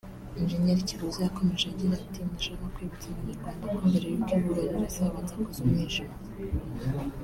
Engineer Kibuza yakomeje agira ati “Nashakaga kwibutsa abanyarwanda ko mbere y’uko izuba rirasa habanza kuza umwijima